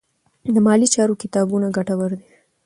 د مالي چارو کتابونه ګټور دي.